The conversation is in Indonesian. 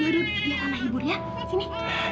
yaudah biar kak ibu ya